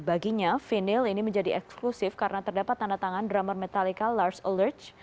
baginya vinyl ini menjadi eksklusif karena terdapat tanda tangan drummer metalica lars oledge